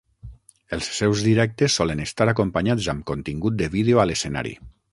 Els seus directes solen estar acompanyats amb contingut de vídeo a l'escenari.